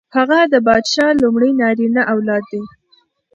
هغه د پادشاه لومړی نارینه اولاد دی.